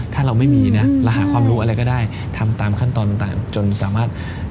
ถ้าเราไม่มีนะเราหาความรู้อะไรก็ได้ทำตามขั้นตอนต่างจนสามารถ